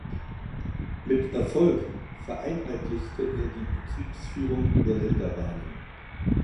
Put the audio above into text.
Mit Erfolg vereinheitlichte er die Betriebsführung der Länderbahnen.